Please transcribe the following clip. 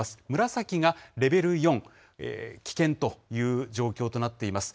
紫がレベル４、危険という状況となっています。